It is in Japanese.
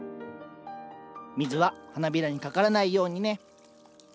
水は花びらにかからないようにね。